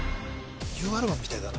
ニューアルバムみたいだな